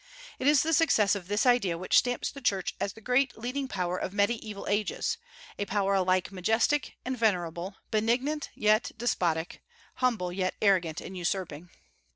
It is the success of this idea which stamps the Church as the great leading power of Mediaeval Ages, a power alike majestic and venerable, benignant yet despotic, humble yet arrogant and usurping.